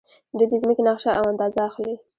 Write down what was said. دوی د ځمکې نقشه او اندازه اخلي.